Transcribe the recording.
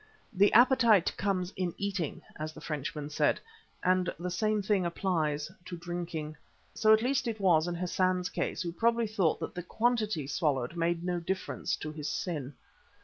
The appetite comes in eating, as the Frenchman said, and the same thing applies to drinking. So at least it was in Hassan's case, who probably thought that the quantity swallowed made no difference to his sin.